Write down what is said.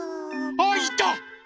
あいた！